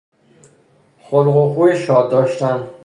خلق و خوی شاد داشتن